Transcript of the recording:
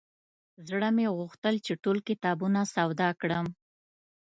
زړه مې غوښتل چې ټول کتابونه سودا کړم.